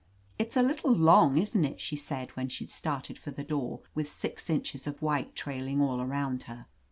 "It's a little long, isn't it?" she said, when she'd started for the door, with six inches of white trailing all around her.